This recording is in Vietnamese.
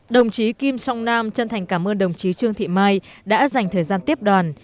đồng chí kim song nam chân thành cảm ơn đồng chí trương thị mai đã dành thời gian tiếp đoàn